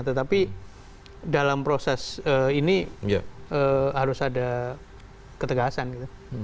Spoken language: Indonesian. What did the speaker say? tetapi dalam proses ini harus ada ketegasan gitu